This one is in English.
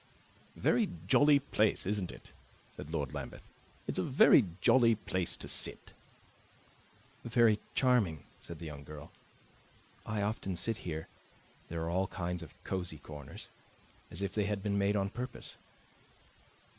"Very jolly place, isn't it?" said Lord Lambeth. "It's a very jolly place to sit." "Very charming," said the young girl. "I often sit here; there are all kinds of cozy corners as if they had been made on purpose."